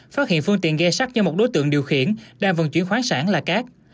phát hiện phương tiện ghe sắt do một đối tượng điều khiển đang vận chuyển khoáng sản là cát